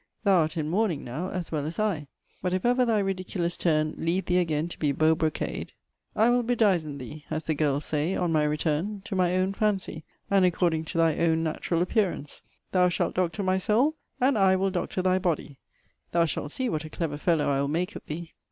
Thou art in mourning now, as well as I: but if ever thy ridiculous turn lead thee again to be beau brocade, I will bedizen thee, as the girls say, on my return, to my own fancy, and according to thy own natural appearance Thou shalt doctor my soul, and I will doctor thy body: thou shalt see what a clever fellow I will make of thee.